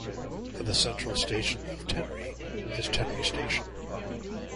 The central station of Tenri is Tenri Station.